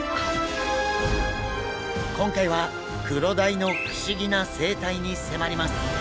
今回はクロダイの不思議な生態に迫ります。